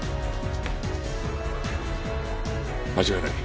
間違いない。